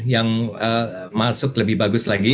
yang masuk lebih bagus lagi